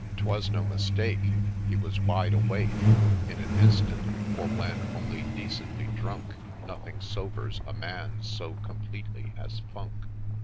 — 'Twas ' no mistake,' — He was ' wide awake ' In an instant ; for, when only decently drunk, Nothing sobers a man so completely as ' funk.'